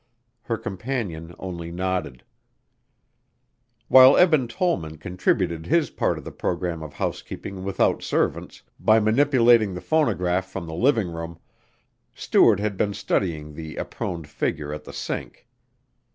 Her companion only nodded. While Eben Tollman contributed his part to the program of housekeeping without servants, by manipulating the phonograph from the living room, Stuart had been studying the aproned figure at the sink.